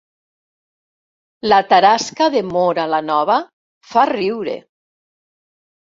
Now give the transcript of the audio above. La tarasca de Móra la Nova fa riure